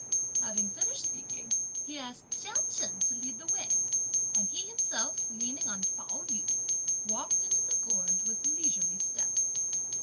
Having finished speaking, he asked Chia Chen to lead the way; and he himself, leaning on Pao yü, walked into the gorge with leisurely step.